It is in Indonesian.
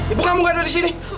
ibu kamu gak ada di sini